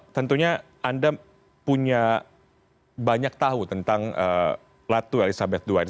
tentunya anda punya banyak tahu tentang ratu elizabeth ii ini